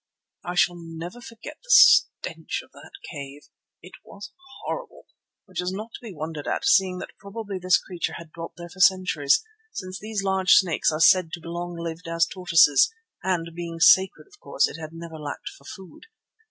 I shall never forget the stench of that cave. It was horrible, which is not to be wondered at seeing that probably this creature had dwelt there for centuries, since these large snakes are said to be as long lived as tortoises, and, being sacred, of course it had never lacked for food.